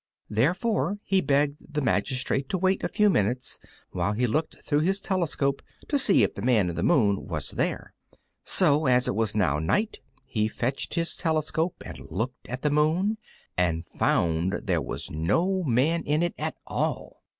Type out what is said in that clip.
Therefore he begged the magistrate to wait a few minutes while he looked through his telescope to see if the Man in the Moon was there. So, as it was now night, he fetched his telescope and looked at the Moon, and found there was no man in it at all!